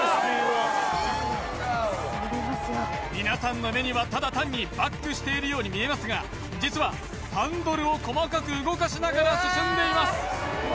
皆さんの目にはただ単にバックしているように見えますが実はハンドルを細かく動かしながら進んでいます